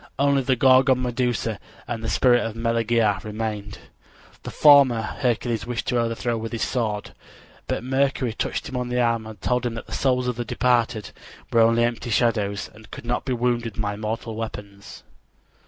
Only the Gorgon Medusa and the spirit of Meleager remained. The former Hercules wished to overthrow with his sword, but Mercury touched him on the arm and told him that the souls of the departed were only empty shadow pictures and could not be wounded by mortal weapons.